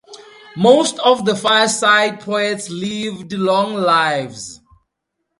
Most of the Fireside Poets lived long lives.